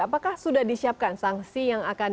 apakah sudah disiapkan sanksi yang akan